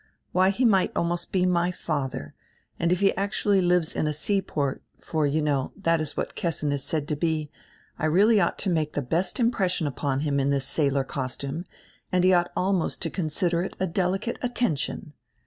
Why he might almost be my fatiier; and if he actually lives in a seaport, for, you know, diat is what Kessin is said to be, I really ought to make die best impression upon him in this sailor costume, and he ought almost to consider it a delicate attention.